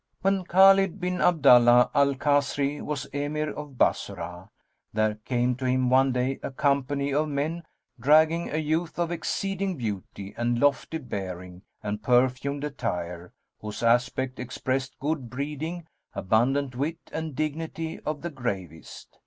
When Khбlid bin Abdallah al Kasri[FN#218] was Emir of Bassorah, there came to him one day a company of men dragging a youth of exceeding beauty and lofty bearing and perfumed attire; whose aspect expressed good breeding, abundant wit and dignity of the gravest.